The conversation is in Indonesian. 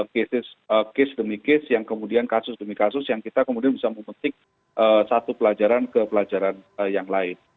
case case demi case yang kemudian kasus demi kasus yang kita kemudian bisa memetik satu pelajaran ke pelajaran yang lain